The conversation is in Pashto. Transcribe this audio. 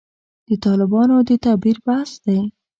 د طالبانو د تعبیر بحث دی.